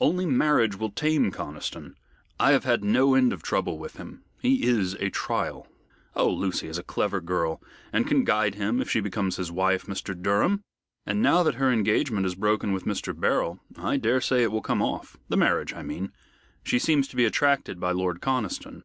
Only marriage will tame Conniston. I have had no end of trouble with him. He is a trial." "Oh, Lucy is a clever girl, and can guide him if she becomes his wife, Mr. Durham. And now that her engagement is broken with Mr. Beryl, I daresay it will come off the marriage I mean. She seems to be attracted by Lord Conniston."